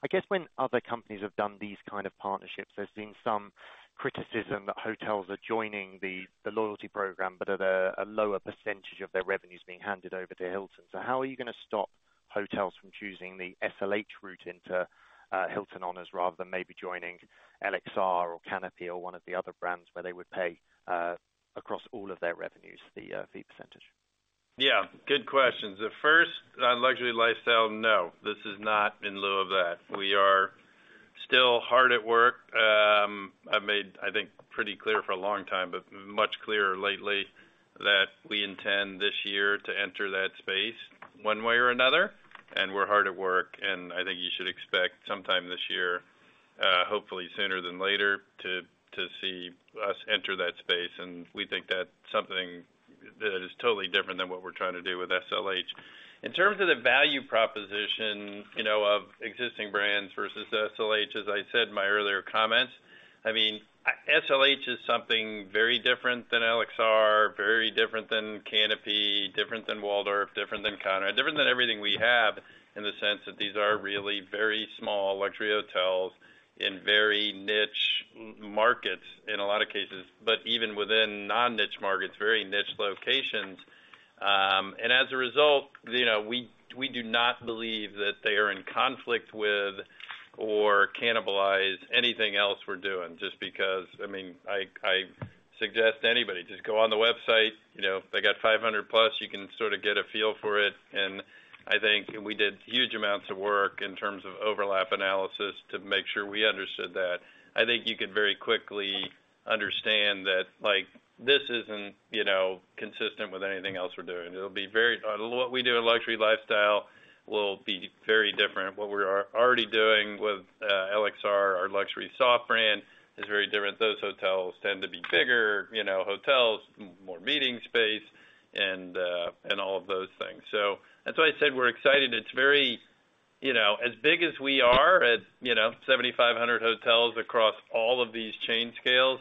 I guess when other companies have done these kind of partnerships, there's been some criticism that hotels are joining the loyalty program, but at a lower percentage of their revenues being handed over to Hilton. So how are you going to stop hotels from choosing the SLH route into Hilton Honors rather than maybe joining LXR or Canopy or one of the other brands where they would pay across all of their revenues, the fee percentage? Yeah. Good questions. First, on luxury lifestyle, no. This is not in lieu of that. We are still hard at work. I've made, I think, pretty clear for a long time, but much clearer lately, that we intend this year to enter that space one way or another. And we're hard at work. And I think you should expect sometime this year, hopefully sooner than later, to see us enter that space. And we think that's something that is totally different than what we're trying to do with SLH. In terms of the value proposition of existing brands versus SLH, as I said in my earlier comments, I mean, SLH is something very different than LXR, very different than Canopy, different than Waldorf, different than Conrad, different than everything we have in the sense that these are really very small luxury hotels in very niche markets in a lot of cases, but even within non-niche markets, very niche locations. And as a result, we do not believe that they are in conflict with or cannibalize anything else we're doing just because I mean, I suggest anybody just go on the website. They got 500+. You can sort of get a feel for it. And I think we did huge amounts of work in terms of overlap analysis to make sure we understood that. I think you can very quickly understand that this isn't consistent with anything else we're doing. What we do in luxury lifestyle will be very different. What we're already doing with LXR, our luxury soft brand, is very different. Those hotels tend to be bigger hotels, more meeting space, and all of those things. So that's why I said we're excited. As big as we are at 7,500 hotels across all of these chain scales,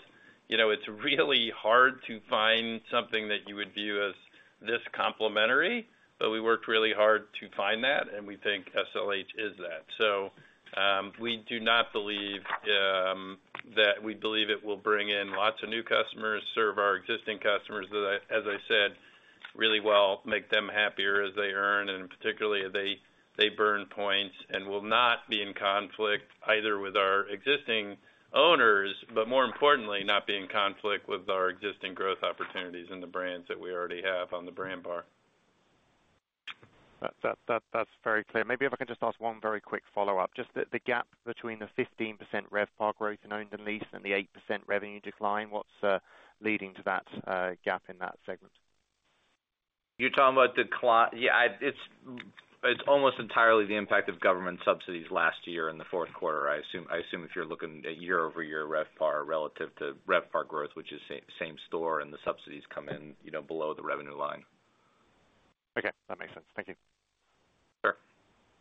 it's really hard to find something that you would view as this complementary. But we worked really hard to find that, and we think SLH is that. So we do not believe that it will bring in lots of new customers, serve our existing customers, as I said, really well, make them happier as they earn, and particularly they burn points, and will not be in conflict either with our existing owners, but more importantly, not be in conflict with our existing growth opportunities and the brands that we already have on the brand bar. That's very clear. Maybe if I can just ask one very quick follow-up, just the gap between the 15% RevPAR growth in owned and leased and the 8% revenue decline, what's leading to that gap in that segment? You're talking about decline? Yeah. It's almost entirely the impact of government subsidies last year in the Q4. I assume if you're looking at year-over-year RevPAR relative to RevPAR growth, which is same store and the subsidies come in below the revenue line. Okay. That makes sense. Thank you.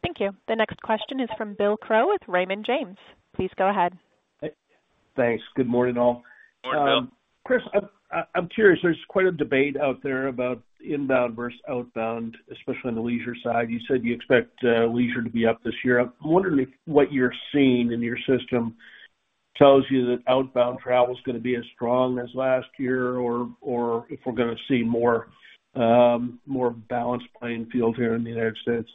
Sure. Thank you. The next question is from Bill Crow with Raymond James. Please go ahead. Thanks. Good morning, all. Morning, Bill. Chris, I'm curious. There's quite a debate out there about inbound versus outbound, especially on the leisure side. You said you expect leisure to be up this year. I'm wondering if what you're seeing in your system tells you that outbound travel is going to be as strong as last year or if we're going to see more balanced playing field here in the United States?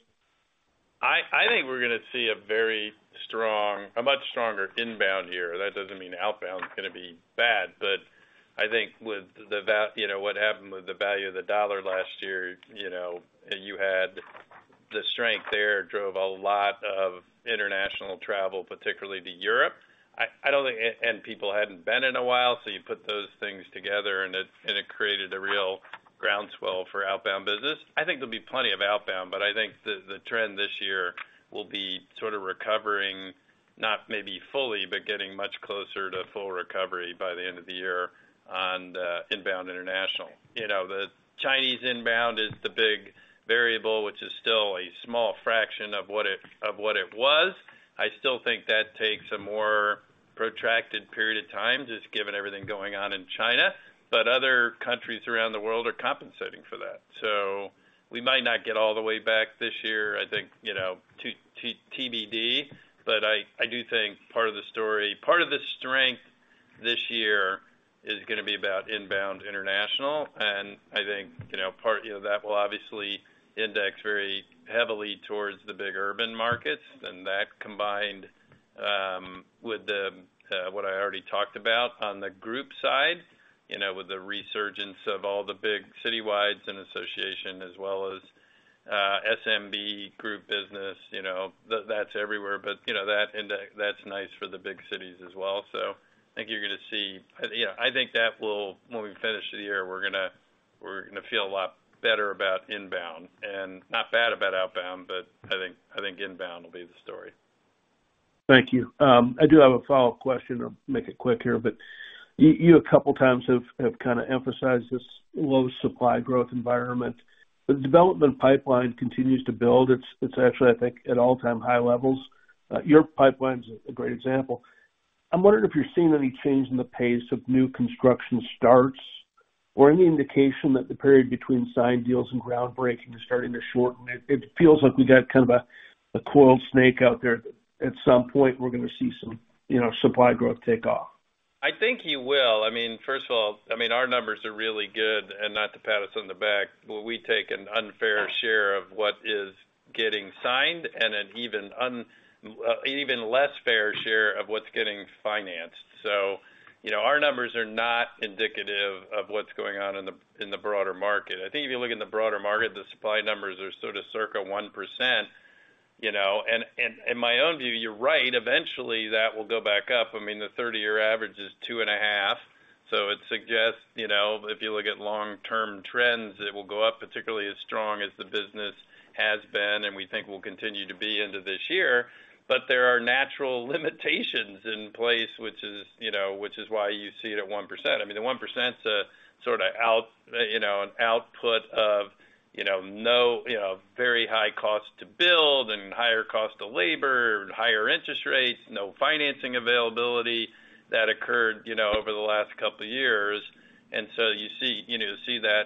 I think we're going to see a very strong, a much stronger inbound year. That doesn't mean outbound is going to be bad. But I think with what happened with the value of the dollar last year, you had the strength there drove a lot of international travel, particularly to Europe. And people hadn't been in a while, so you put those things together, and it created a real groundswell for outbound business. I think there'll be plenty of outbound, but I think the trend this year will be sort of recovering, not maybe fully, but getting much closer to full recovery by the end of the year on inbound international. The Chinese inbound is the big variable, which is still a small fraction of what it was. I still think that takes a more protracted period of time just given everything going on in China. But other countries around the world are compensating for that. So we might not get all the way back this year, I think, TBD. But I do think part of the story, part of the strength this year is going to be about inbound international. And I think part of that will obviously index very heavily towards the big urban markets. And that combined with what I already talked about on the group side, with the resurgence of all the big citywides and association as well as SMB group business, that's everywhere. But that's nice for the big cities as well. So I think you're going to see. I think that will, when we finish the year, we're going to feel a lot better about inbound and not bad about outbound, but I think inbound will be the story. Thank you. I do have a follow-up question. I'll make it quick here. But you a couple of times have kind of emphasized this low supply growth environment. The development pipeline continues to build. It's actually, I think, at all-time high levels. Your pipeline's a great example. I'm wondering if you're seeing any change in the pace of new construction starts or any indication that the period between signed deals and groundbreaking is starting to shorten. It feels like we got kind of a coiled snake out there. At some point, we're going to see some supply growth take off. I think you will. I mean, first of all, I mean, our numbers are really good. Not to pat us on the back, but we take an unfair share of what is getting signed and an even less fair share of what's getting financed. Our numbers are not indicative of what's going on in the broader market. I think if you look in the broader market, the supply numbers are sort of circa 1%. In my own view, you're right. Eventually, that will go back up. I mean, the 30-year average is 2.5. It suggests if you look at long-term trends, it will go up particularly as strong as the business has been, and we think will continue to be into this year. There are natural limitations in place, which is why you see it at 1%. I mean, the 1%'s sort of an output of very high cost to build and higher cost of labor, higher interest rate, no financing availability that occurred over the last couple of years. And so you see that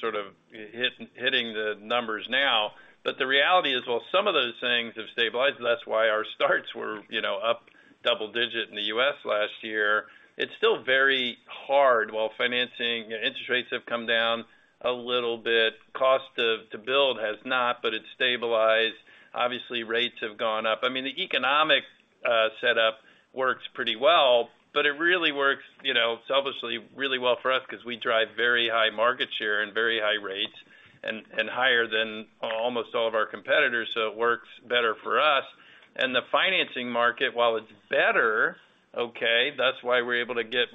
sort of hitting the numbers now. But the reality is, while some of those things have stabilized, that's why our starts were up double-digit in the U.S. last year, it's still very hard while financing interest rates have come down a little bit. Cost to build has not, but it's stabilized. Obviously, rates have gone up. I mean, the economic setup works pretty well, but it really works selfishly really well for us because we drive very high market share and very high rates and higher than almost all of our competitors. So it works better for us. The financing market, while it's better, okay, that's why we're able to get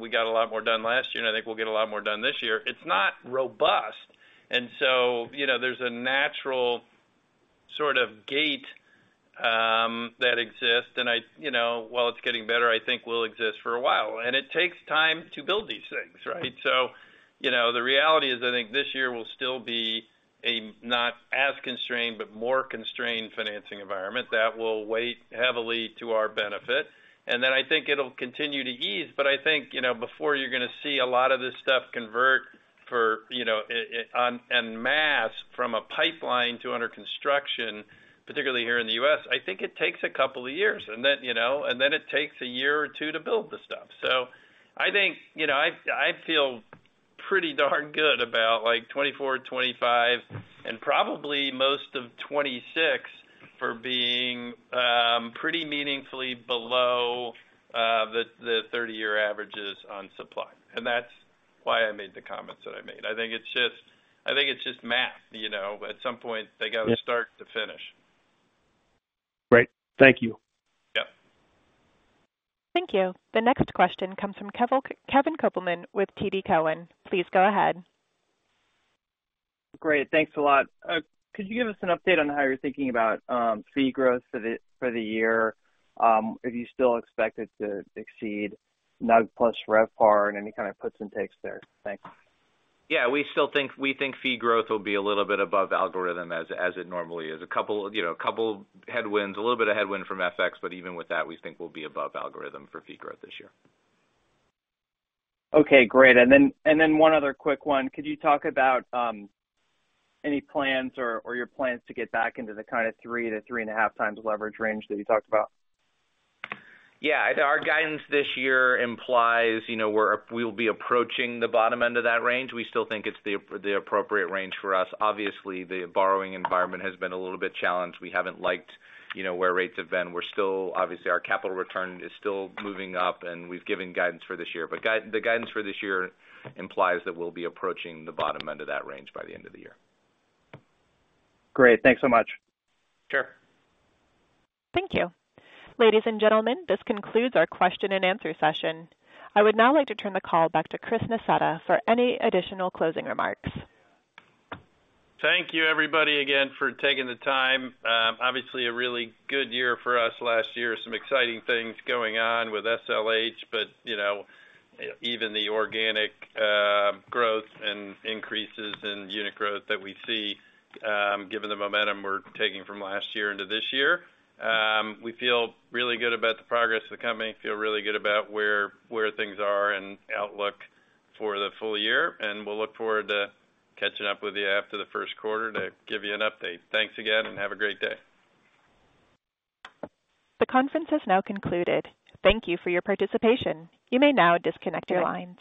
we got a lot more done last year, and I think we'll get a lot more done this year. It's not robust. So there's a natural sort of gate that exists. While it's getting better, I think will exist for a while. It takes time to build these things, right? So the reality is, I think this year will still be a not as constrained, but more constrained financing environment that will weigh heavily to our benefit. Then I think it'll continue to ease. But I think before you're going to see a lot of this stuff convert en masse from a pipeline to under construction, particularly here in the U.S., I think it takes a couple of years. Then it takes a year or two to build the stuff. So I think I feel pretty darn good about 2024, 2025, and probably most of 2026 for being pretty meaningfully below the 30-year averages on supply. And that's why I made the comments that I made. I think it's just math. At some point, they got to start to finish. Great. Thank you. Yep. Thank you. The next question comes from Kevin Kopelman with TD Cowen. Please go ahead. Great. Thanks a lot. Could you give us an update on how you're thinking about fee growth for the year? If you still expect it to exceed NUG plus RevPAR and any kind of puts and takes there? Thanks. Yeah. We think fee growth will be a little bit above algorithm as it normally is. A couple of headwinds, a little bit of headwind from FX, but even with that, we think we'll be above algorithm for fee growth this year. Okay. Great. Then one other quick one. Could you talk about any plans or your plans to get back into the kind of 3-3.5 times leverage range that you talked about? Yeah. Our guidance this year implies we'll be approaching the bottom end of that range. We still think it's the appropriate range for us. Obviously, the borrowing environment has been a little bit challenged. We haven't liked where rates have been. Obviously, our capital return is still moving up, and we've given guidance for this year. But the guidance for this year implies that we'll be approaching the bottom end of that range by the end of the year. Great. Thanks so much. Sure. Thank you. Ladies and gentlemen, this concludes our Q&A session. I would now like to turn the call back to Chris Nassetta for any additional closing remarks. Thank you, everybody, again for taking the time. Obviously, a really good year for us last year. Some exciting things going on with SLH, but even the organic growth and increases in unit growth that we see, given the momentum we're taking from last year into this year. We feel really good about the progress of the company. Feel really good about where things are and outlook for the full year. We'll look forward to catching up with you after the Q1 to give you an update. Thanks again, and have a great day. The conference has now concluded. Thank you for your participation. You may now disconnect your line.